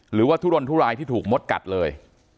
หรือว่าทุรนทุรายที่ถูกมดกัดเลย